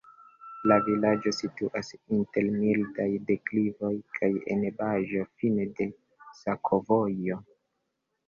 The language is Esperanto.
La vilaĝo situas inter mildaj deklivoj kaj ebenaĵo, fine de sakovojo.